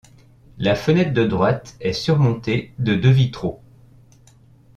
La fenêtre de droite est surmontée de deux vitraux.